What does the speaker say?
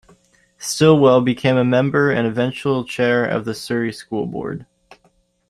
Stilwell became a member and eventual chair of the Surrey School Board.